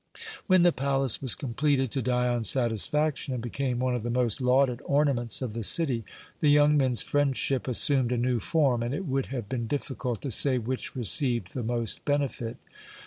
When the palace was completed to Dion's satisfaction and became one of the most lauded ornaments of the city, the young men's friendship assumed a new form, and it would have been difficult to say which received the most benefit.